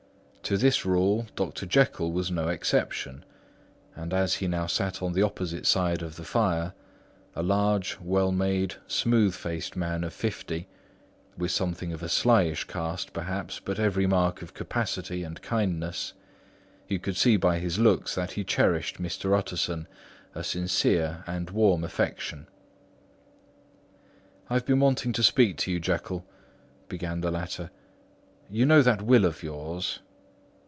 To this rule, Dr. Jekyll was no exception; and as he now sat on the opposite side of the fire—a large, well made, smooth faced man of fifty, with something of a slyish cast perhaps, but every mark of capacity and kindness—you could see by his looks that he cherished for Mr. Utterson a sincere and warm affection. "I have been wanting to speak to you, Jekyll," began the latter. "You know that will of yours?"